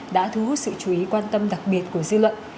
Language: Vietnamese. đã thu hút sự chú ý quan tâm đặc biệt của dư luận